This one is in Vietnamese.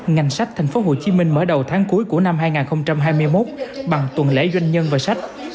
ngành sách thành phố hồ chí minh mở đầu tháng cuối của năm hai nghìn hai mươi một bằng tuần lễ doanh nhân và sách